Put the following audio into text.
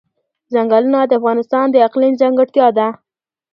ځنګلونه د افغانستان د اقلیم ځانګړتیا ده.